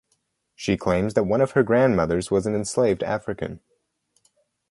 She claims that one of her grandmothers was an enslaved African.